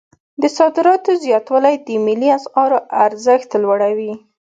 د صادراتو زیاتوالی د ملي اسعارو ارزښت لوړوي.